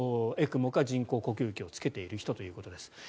ＥＣＭＯか人工呼吸器をつけている人ということです。